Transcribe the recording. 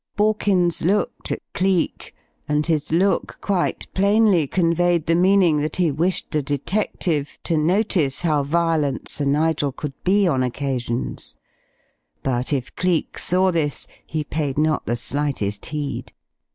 Borkins looked at Cleek, and his look quite plainly conveyed the meaning that he wished the detective to notice how violent Sir Nigel could be on occasions, but if Cleek saw this he paid not the slightest heed.